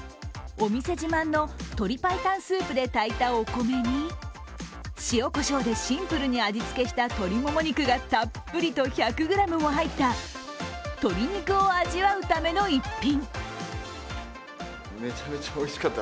お店自慢の鶏パイタンスープで炊いたお米に塩こしょうでシンプルに味付けした鶏もも肉がたっぷりと１００ｇも入った鶏肉を味わうための逸品。